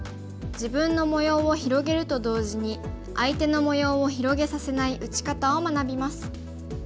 自分の模様を広げると同時に相手の模様を広げさせない打ち方を学びます。